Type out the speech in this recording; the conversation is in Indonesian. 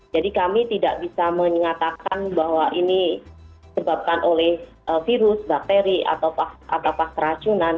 jadi kami tidak bisa mengatakan bahwa ini sebabkan oleh virus bakteri atau pas teracunan